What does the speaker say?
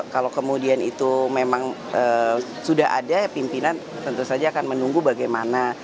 kalau kemudian itu memang sudah ada pimpinan tentu saja akan menunggu bagaimana